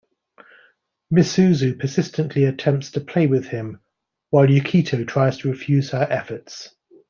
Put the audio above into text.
Misuzu persistently attempts to play with him, while Yukito tries to refuse her efforts.